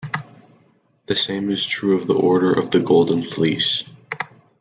The same is true of the Order of the Golden Fleece.